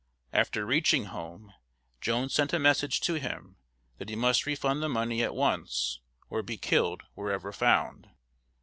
After reaching home, Jones sent a message to him that he must refund the money at once, or be killed wherever found.